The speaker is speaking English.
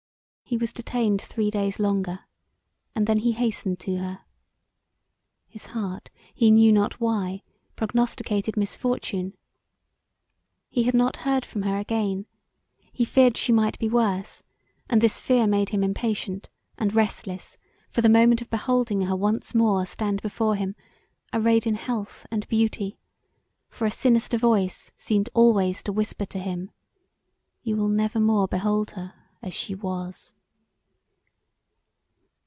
He was detained three days longer and then he hastened to her. His heart, he knew not why prognosticated misfortune; he had not heard from her again; he feared she might be worse and this fear made him impatient and restless for the moment of beholding her once more stand before him arrayed in health and beauty; for a sinister voice seemed always to whisper to him, "You will never more behold her as she was."